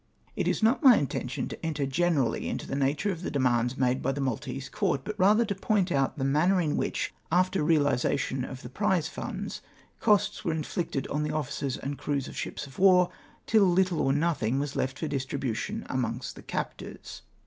It is not my intention to enter generally into the nature of the demands made by the Maltese Court, but rather to point out the manner in which, after realisa tion of the prize funds, costs were inflicted on the officers and crews of ships of war, till little or nothing was left for distribution amongst tlie captors.